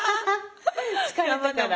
疲れたから？